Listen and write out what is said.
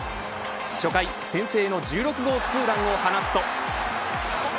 初回、先制の１６号２ランを放つと。